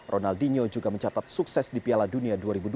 ronaldinho juga mencatat sukses di piala dunia dua ribu dua puluh